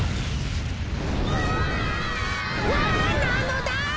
うわ！わなのだ！